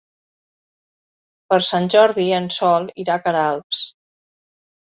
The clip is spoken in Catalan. Per Sant Jordi en Sol irà a Queralbs.